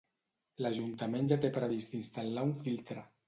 L'Ajuntament ja té previst instal·lar un filtre.